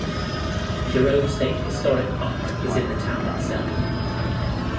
Jerome State Historic Park is in the town itself.